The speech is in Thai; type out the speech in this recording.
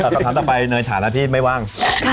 เราจะทำต่อไปในฐานะที่ไม่ว่าง